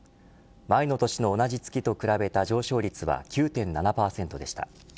前の年の同じ月と比べた上昇率は９．７％でした。